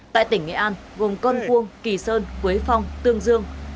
tại tỉnh nghệ an gồm cơn quông kỳ sơn quế phong tương dương